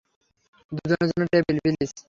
দুজনের জন্য table, please!